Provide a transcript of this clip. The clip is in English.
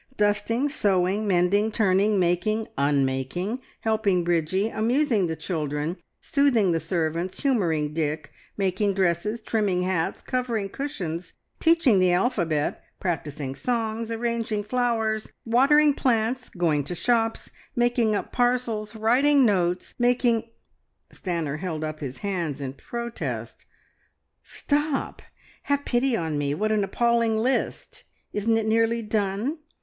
Dusting, sewing, mending, turning, making, un making, helping Bridgie, amusing the children, soothing the servants, humouring Dick, making dresses, trimming hats, covering cushions, teaching the alphabet, practising songs, arranging flowers, watering plants, going to shops, making up parcels, writing notes, making " Stanor held up his hands in protest. "Stop! Have pity on me! What an appalling list! Isn't it nearly done?